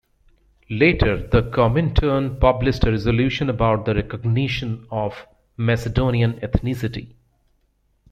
Later the Comintern published a resolution about the recognition of Macedonian ethnicity.